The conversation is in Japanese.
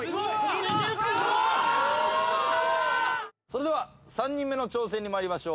それでは３人目の挑戦に参りましょう。